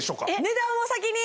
値段を先に？